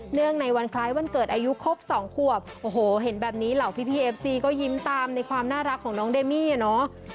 ในวันคล้ายวันเกิดอายุครบสองขวบโอ้โหเห็นแบบนี้เหล่าพี่เอฟซีก็ยิ้มตามในความน่ารักของน้องเดมี่อ่ะเนาะ